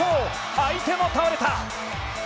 相手も倒れた。